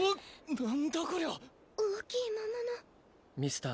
何だこりゃ大きい魔物ミスター